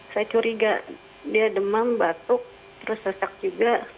saya curiga dia demam batuk terus sesak juga